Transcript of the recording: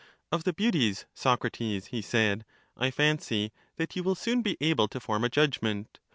Of the beauties, Socrates, he said, I fancy that you will soon be able to form a judgment.